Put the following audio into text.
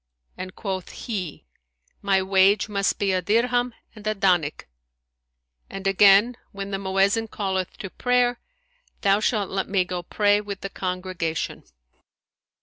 and quoth he, My wage must be a dirham and a danik, and again when the Mu'ezzin calleth to prayer, thou shalt let me go pray with the congregation.'